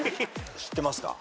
知ってますか？